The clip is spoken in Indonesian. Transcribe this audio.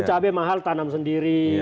cabai mahal tanam sendiri